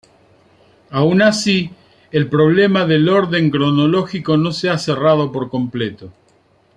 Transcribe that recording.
Aun así, el problema del orden cronológico no se ha cerrado por completo.